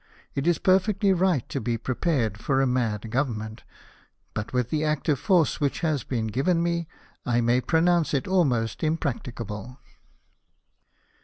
It is perfectly right to be prepared for a mad Government ; but, with the active force which has been given me, I may pronounce it almost im practicable."